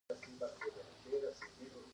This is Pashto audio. د شتمنۍ کنګل کېدل ظلم دی.